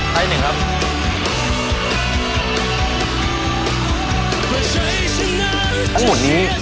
ทั้งหมดนี้